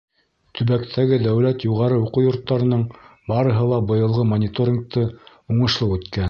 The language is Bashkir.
Төбәктәге дәүләт юғары уҡыу йорттарының барыһы ла быйылғы мониторингты уңышлы үткән.